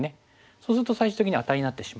そうすると最終的にアタリになってしまう。